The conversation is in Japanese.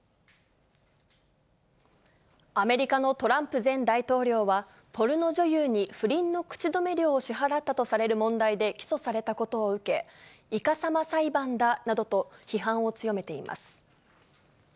アメリカのトランプ前大統領は、ポルノ女優に不倫の口止め料を支払ったとされる問題で起訴されたことを受け、いかさま裁判だなどと批判を強めています。